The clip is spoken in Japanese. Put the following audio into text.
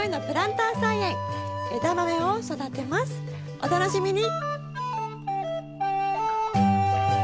お楽しみに！